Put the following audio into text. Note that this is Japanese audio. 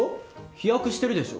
飛躍してるでしょ。